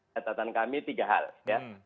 catatan kami tiga hal ya